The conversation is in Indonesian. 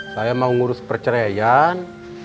saya mau ngurus perceraian